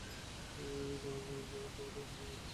কেমন যেন এক ধরনের কষ্টও হচ্ছে বুকের মধ্যে।